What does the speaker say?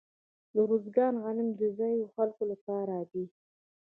د ارزګان غنم د ځايي خلکو لپاره دي.